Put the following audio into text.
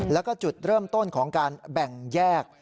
แล้วก็จุดเริ่มต้นของการแบ่งแยก